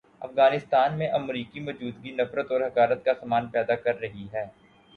افغانستان میں امریکی موجودگی نفرت اور حقارت کا سامان پیدا کر رہی ہے۔